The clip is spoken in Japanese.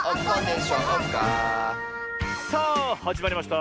さあはじまりました